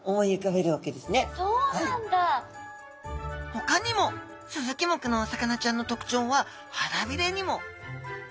ほかにもスズキ目のお魚ちゃんの特徴は腹びれにも。